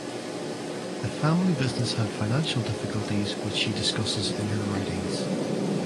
The family business had financial difficulties which she discusses in her writings.